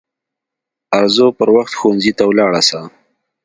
ارزو پر وخت ښوونځي ته ولاړه سه